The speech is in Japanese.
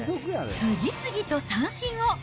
次々と三振を。